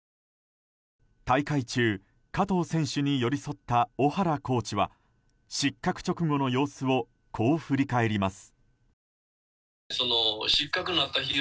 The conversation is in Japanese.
大会中、加藤選手に寄り添った小原コーチは失格直後の様子をこう振り返ります。